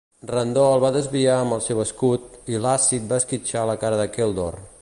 Randor el va desviar amb el seu escut, i l'àcid va esquitxar la cara de Keldor.